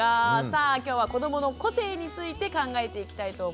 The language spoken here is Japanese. さあきょうは「子どもの個性」について考えていきたいと思います。